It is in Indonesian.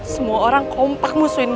semua orang kompak musuhin gue